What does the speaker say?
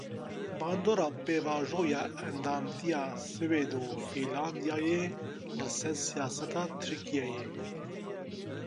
Bandora pêvajoya endamtiya Swêd û Fînlandyayê li ser siyaseta Tirkiyeyê.